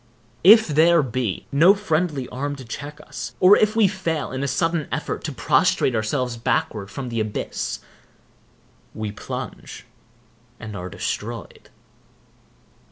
If there be no friendly arm to check us, or if we fail in a sudden effort to prostrate ourselves backward from the abyss, we plunge, and are destroyed.